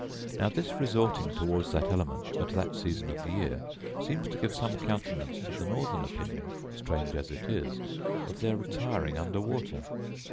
Now this resorting towards that element, at that season of the year, seems to give some countenance to the northern opinion (strange as it is) of their retiring under water.